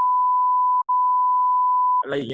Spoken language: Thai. กับการสตรีมเมอร์หรือการทำอะไรอย่างเงี้ย